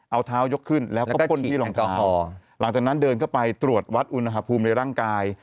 เอาเท้ายกขึ้นแล้วก็พ่นที่รองเท้าหลังจากนั้นเดินเข้าไปตรวจวัดอุณหภูมิในร่างกาย